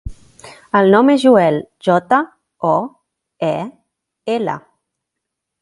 El nom és Joel: jota, o, e, ela.